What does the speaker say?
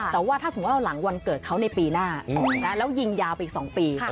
แต่ว่าถ้าสมมุติว่าหลังวันเกิดเขาในปีหน้าแล้วยิงยาวไปอีก๒ปี